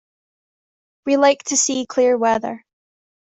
We like to see clear weather.